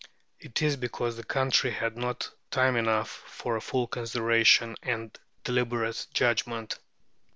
It is because the country had not time enough for full consideration and deliberate judgment.